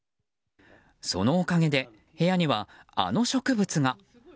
そのおかげで部屋にはあの植物が。